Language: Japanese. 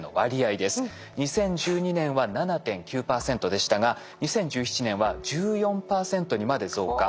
２０１２年は７．９％でしたが２０１７年は１４％にまで増加。